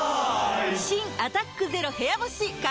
新「アタックＺＥＲＯ部屋干し」解禁‼